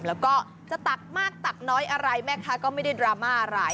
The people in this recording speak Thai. แล้วก็จะตักมากตักน้อยอะไรแม่ค้าก็ไม่ได้ดราม่าอะไร